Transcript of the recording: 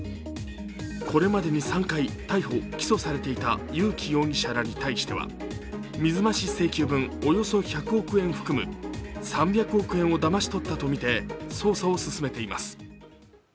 これまでに３回、逮捕・起訴されていた友紀容疑者らに対しては水増し請求分およそ１００億円含む３００億円をだまし取ったとみて捜査を進めています。